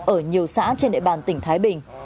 ở nhiều xã trên đệ bàn tỉnh thái bình